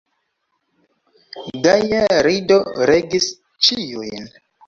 Gaja rido regis ĉiujn.